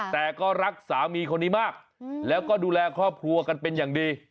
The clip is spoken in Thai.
แต่ก็รักสามีคนนี้มากแล้วก็ดูแลครอบครัวกันเป็นอย่างดี